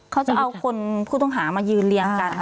เขาจะเอาคนผู้ต้องหามายืนเรียงกัน